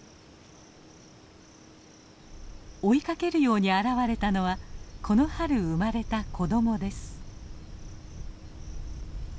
追いかけるように現れたのはこの春生まれた子どもです。